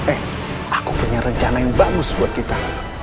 eh aku punya rencana yang bagus buat kita